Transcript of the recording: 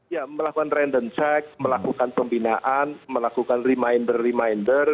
ya melakukan random check melakukan pembinaan melakukan reminder reminder